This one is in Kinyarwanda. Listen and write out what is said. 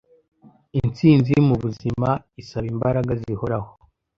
Intsinzi mubuzima isaba imbaraga zihoraho.